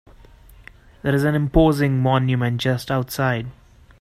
There is an imposing monument just outside.